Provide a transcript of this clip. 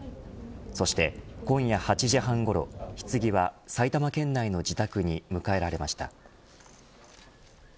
そして今夜８時半ごろひつぎは埼玉県内の自宅に迎えられました。